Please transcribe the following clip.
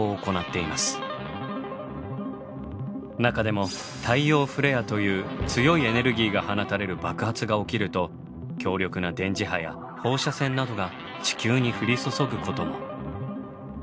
中でも太陽フレアという強いエネルギーが放たれる爆発が起きると強力な電磁波や放射線などが地球に降り注ぐことも。